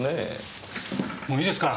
もういいですか。